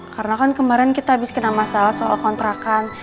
karena kan kemarin kita habis kena masalah soal kontrakan